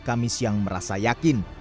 kami siang merasa yakin